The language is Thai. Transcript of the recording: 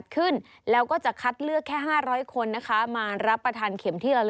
ก็เลยเชื่อใจ